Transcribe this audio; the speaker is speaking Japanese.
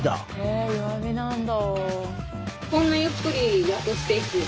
え弱火なんだ。